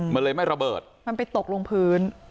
มันเลยไม่ระเบิดมันไปตกลงพื้น